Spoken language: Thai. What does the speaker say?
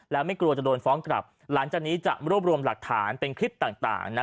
และไม่กลัวจะโดนฟ้องกลับหลังจากนี้จะรวบรวมหลักฐานเป็นคลิปต่าง